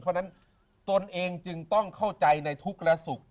เพราะฉะนั้นตนเองจึงต้องเข้าใจในทุกข์และสุข